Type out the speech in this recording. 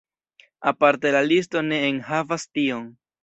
Aparte la listo ne enhavas tion.